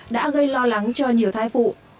đã gây lo lắng cho nhiều thai phụ